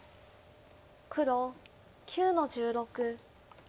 黒９の十六。